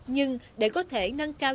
nhưng để có thể nâng cao